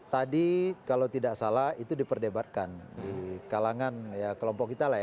tadi kalau tidak salah itu diperdebatkan di kalangan ya kelompok kita lah ya